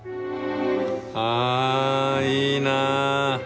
あいいな。